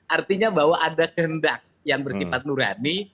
artinya bahwa ada kehendak yang bersifat nurani